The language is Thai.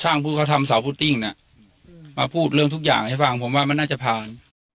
ช่างปูศัพท์ทำสาวพุทิ้งมาพูดเรื่องทุกอย่างให้ฟังมันน่าจะผ่าน